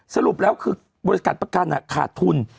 สรุปแล้วคือบริษัทประกันขาดทุน